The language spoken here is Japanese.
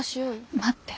待って。